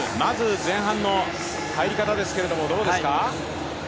前半の入り方どうですか？